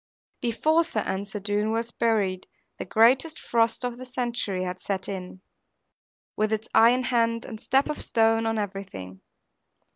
Before Sir Ensor Doone was buried, the greatest frost of the century had set in, with its iron hand, and step of stone, on everything.